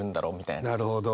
なるほど。